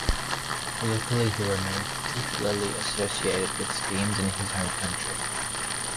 Locally, he remains particularly associated with schemes in his home county.